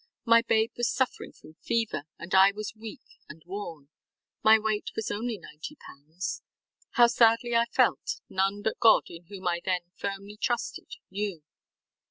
My babe was suffering from fever and I was weak and worn. My weight was only ninety pounds. How sadly I felt, none but God, in whom I then firmly trusted, knew.